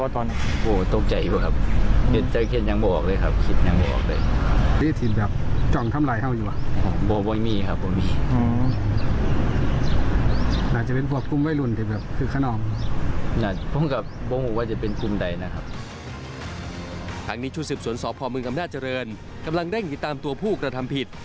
ทางนี้ชุดสืบสวนสพมอำนาจเจริญกำลังเร่งติดตามตัวผู้กระทำผิด